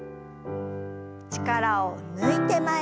力を抜いて前に。